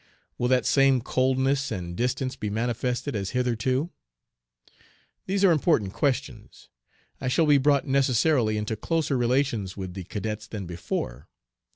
Will that same coldness and distance be manifested as hitherto? These are important questions. I shall be brought necessarily into closer relations with the cadets than before.